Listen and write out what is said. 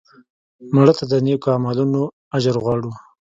مړه ته د نیکو عملونو اجر غواړو